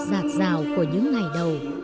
rạc rào của những ngày đầu